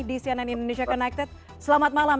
di cnn indonesia connected selamat malam